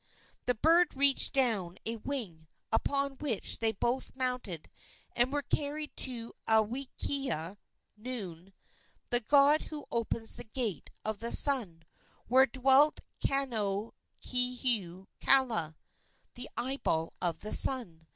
The bird reached down a wing, upon which they both mounted and were carried to Awakea (noon), the god who opens the gate of the Sun, where dwelt Kaonohiokala (the eye ball of the sun).